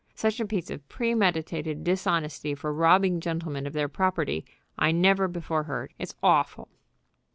Such a piece of premeditated dishonesty for robbing gentlemen of their property I never before heard. It's awful."